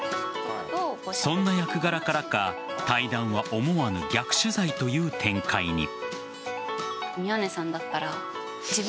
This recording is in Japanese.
そんな役柄からか、対談は思わぬ逆取材という展開に。